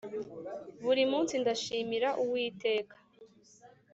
buri munsi, ndashimira uwiteka,